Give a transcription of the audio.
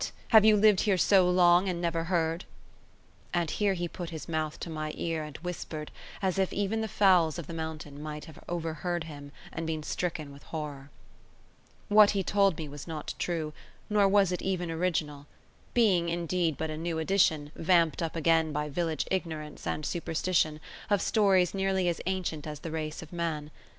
have you lived here so long, and never heard?" And here he put his mouth to my ear and whispered, as if even the fowls of the mountain might have over heard and been stricken with horror. What he told me was not true, nor was it even original; being, indeed, but a new edition, vamped up again by village ignorance and superstition, of stories nearly as ancient as the race of man.